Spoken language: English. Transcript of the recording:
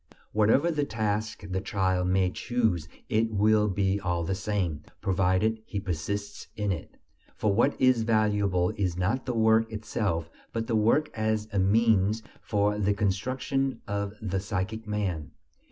Whatever task the child may choose it will be all the same, provided he persists in it. For what is valuable is not the work itself, but the work as a means for the construction of the psychic man.